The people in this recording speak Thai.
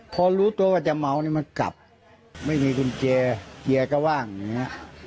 พอรู้ตัวว่าจะเมานี่มันกลับไม่มีกุญแจเกียร์ก็ว่างอย่างนี้